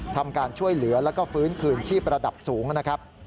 ทำการช่วยเหลือแล้วก็ฟื้นคืนชีพระดับสูงนะครับ